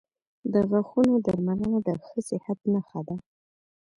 • د غاښونو درملنه د ښه صحت نښه ده.